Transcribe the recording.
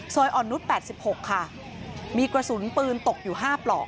ซอยอ่อนนุษย์แปดสิบหกค่ะมีกระสุนปืนตกอยู่ห้าเปล่า